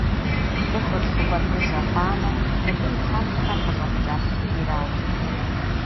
Цӏыхур лъы кӏуэцӏыжэ хъуамэ, мыбы и тхьэмпэхэм къыщӏэвыкӏа псыр ираф.